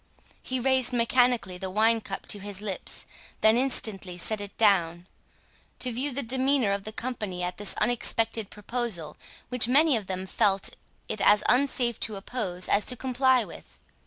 He raised mechanically the wine cup to his lips, then instantly set it down, to view the demeanour of the company at this unexpected proposal, which many of them felt it as unsafe to oppose as to comply with.